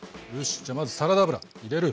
じゃあまずサラダ油入れる！